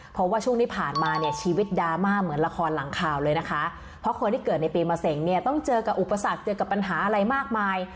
เพราะว่าช่วงที่ผ่านมาเนี่ยชีวิตดราม่าเหมือนละครหลังข่าวเลยนะคะเพราะคนที่เกิดในปีมะเสงเนี่ยต้องเจอกับอุปสรรคเจอกับปัญหาอะไรมากมาย